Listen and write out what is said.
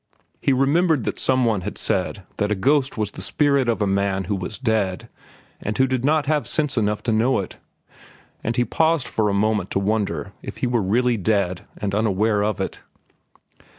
He remembered that some one had said that a ghost was the spirit of a man who was dead and who did not have sense enough to know it; and he paused for the moment to wonder if he were really dead and unaware of it.